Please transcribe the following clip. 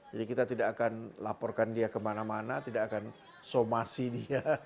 jadi kita tidak akan laporkan dia kemana mana tidak akan somasi dia